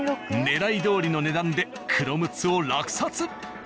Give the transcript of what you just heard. ねらいどおりの値段で黒ムツを落札。